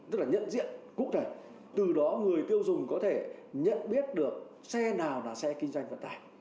tức là nhận diện cụ thể từ đó người tiêu dùng có thể nhận biết được xe nào là xe kinh doanh vận tải